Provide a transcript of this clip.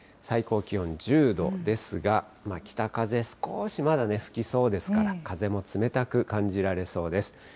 最高気温１０度ですが、北風、少しまだね、吹きそうですから、風も冷たく感じられそうです。